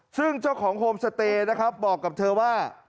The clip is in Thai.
ซึ่งเจ้าของโฮมสเตย์นะครับบอกกับเธอว่า